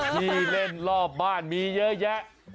ที่เล่นรอบบ้านมีเยอะแยะ